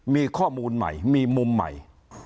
มีข้อมูลใหม่มีมุมใหม่